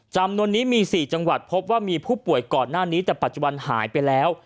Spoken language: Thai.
จำนวนนี้มี๔จังหวัดพบว่ามีผู้ป่วยก่อนหน้านี้แต่ปัจจุบันหายไปแล้ว